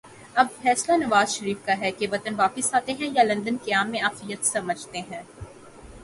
اب فیصلہ نوازشریف کا ہے کہ وطن واپس آتے ہیں یا لندن قیام میں عافیت سمجھتے ہیں۔